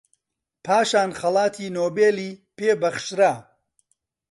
پاشان خەڵاتی نۆبێلی پێ بەخشرا